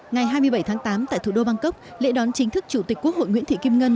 ngày hai mươi bảy tháng tám tại thủ đô bangkok lễ đón chính thức chủ tịch quốc hội nguyễn thị kim ngân